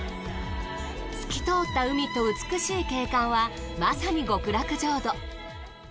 透き通った海と美しい景観はまさに極楽浄土。